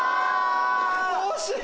惜しい！